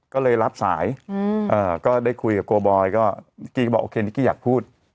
ก็เลยรับสายก็ได้คุยกับโกบอยก็นิกกี้ก็บอกโอเคนิกกี้อยากพูด